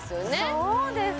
そうです